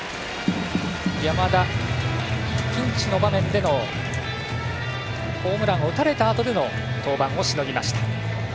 山田、ピンチの場面でのホームランを打たれたあとでの登板をしのぎました。